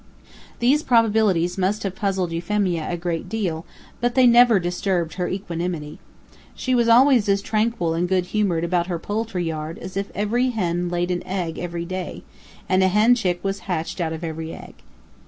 These probabilities must have puzzled Euphemia a great deal, but they never disturbed her equanimity. She was always as tranquil and good humored about her poultry yard as if every hen laid an egg every day, and a hen chick was hatched out of every egg.